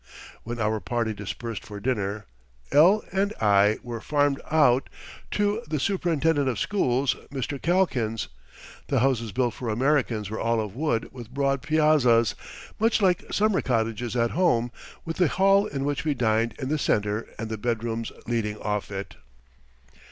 When our party dispersed for dinner L. and I were "farmed out" to the superintendent of schools, Mr. Calkins. The houses built for Americans were all of wood with broad piazzas, much like summer cottages at home, with the hall in which we dined in the center and the bedrooms leading off it.